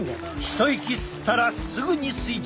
一息吸ったらすぐに水中へ。